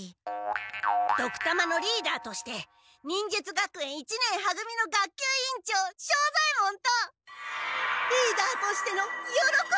ドクたまのリーダーとして忍術学園一年は組の学級委員長庄左ヱ門とリーダーとしてのよろこび！